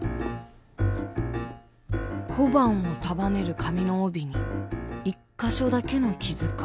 小判を束ねる紙の帯に一か所だけの傷か。